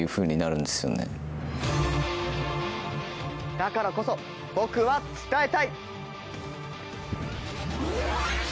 だからこそ僕は伝えたい。